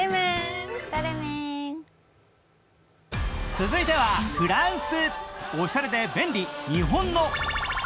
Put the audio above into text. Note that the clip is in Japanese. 続いてはフランス。